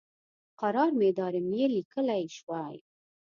قرار میدارم یې لیکلی شوای.